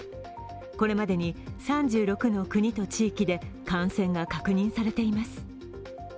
これまでに３６の国と地域で感染が確認されています。